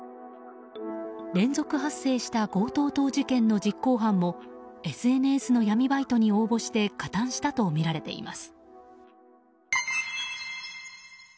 連続発生した強盗事件の実行犯もＳＮＳの闇バイトに応募して加担したとみられています。